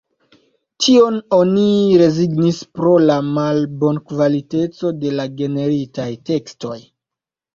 Tion oni rezignis pro la malbonkvaliteco de la generitaj tekstoj.